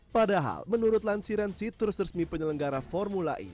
padahal menurut lansiran situs resmi penyelenggara formula e